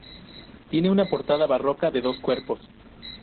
Tiene una portada barroca de dos cuerpos.